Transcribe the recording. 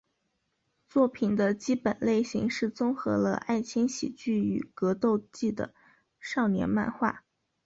作品的基本类型是综合了爱情喜剧与格斗技的少年漫画。